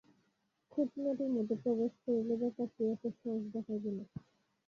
খুঁটিনাটির মধ্যে প্রবেশ করিলে ব্যাপারটি এত সহজ দেখাইবে না।